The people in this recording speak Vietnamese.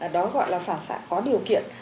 đó gọi là phản xạ có điều kiện